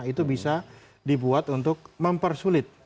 itu bisa dibuat untuk mempersulit